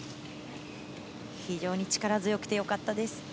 非常に力強くてよかったです。